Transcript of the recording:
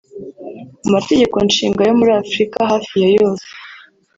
Amategeko-nshinga yo muli Afrika hafi ya yose